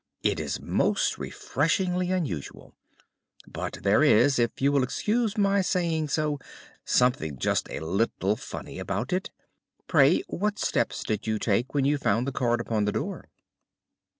It is most refreshingly unusual. But there is, if you will excuse my saying so, something just a little funny about it. Pray what steps did you take when you found the card upon the door?"